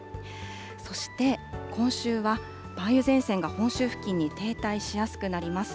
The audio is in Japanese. そして、今週は梅雨前線が本州付近に停滞しやすくなります。